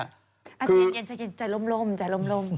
อาจจะเอียนใจร่ม